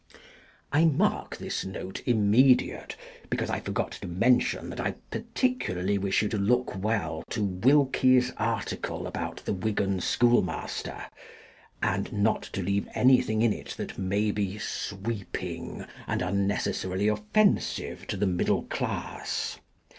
I mark this note " Immediate," because I forgot to mention that I particularly wish you to look well to Wilkie's article about the Wigan schoolmaster, and not to leave anything in it that may be sweeping, and unnecessarily offensive to the middle class.